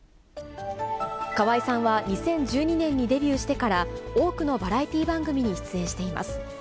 河合さんは２０１２年にデビューしてから多くのバラエティー番組に出演しています。